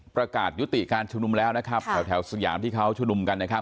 ประกาศยุติการชุมนุมแล้วนะครับแถวสยามที่เขาชุมนุมกันนะครับ